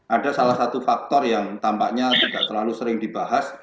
ada salah satu faktor yang tampaknya tidak terlalu sering dibahas